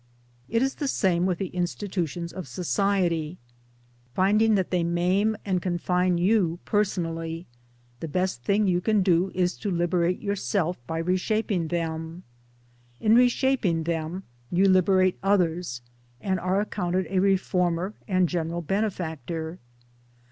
It is the same with the institutions of society. Finding that they maim and confine you personally, the best thing you can do is to liberate yourself by reshaping; them. In reshaping them you liberate others, and are accounted a reformer and general benefactor.